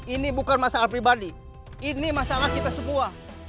ini bukan masalah pribadi ini masalah kita semua